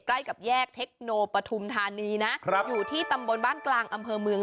ใกล้กับแยกเทคโนปฐุมธานีนะครับอยู่ที่ตำบลบ้านกลางอำเภอเมือง